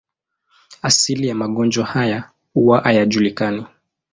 Asili ya magonjwa haya huwa hayajulikani.